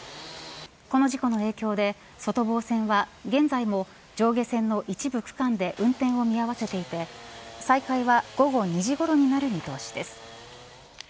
この事故の影響で外房線は現在も上下線の一部区間で運転を見合わせていて再開は午後２時ごろになる見通しです。